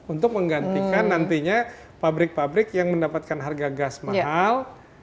untuk menggantikan nantinya pabrik pabrik yang mendapatkan harga gas mahal